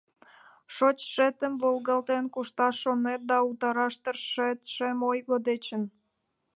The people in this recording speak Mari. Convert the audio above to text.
Шочшетым волгалтен кушташ шонет Да утараш тыршет шем ойго дечын.